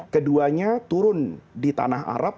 keduanya turun di tanah arab